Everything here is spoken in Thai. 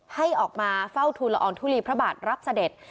ให้ออกมาเฝ้าทูลอองทุลีพระบาทรับเสด็จ